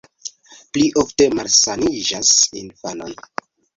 Pli ofte malsaniĝas infanoj.